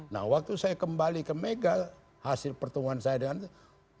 nah waktu saya kembali ke mega hasil pertemuan saya dengan itu